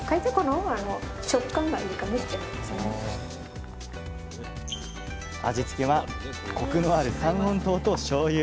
かえって味付けはコクのある三温糖としょうゆ。